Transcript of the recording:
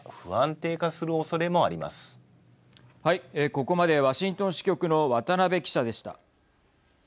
ここまでワシントン支局の渡辺記者でした。